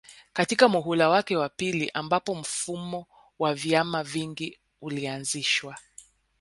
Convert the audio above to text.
katika muhula wake wa pili ambapo mfumo wa vyama vingi ulianzishwa